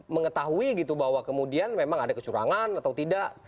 mengetahui gitu bahwa kemudian memang ada kecurangan atau tidak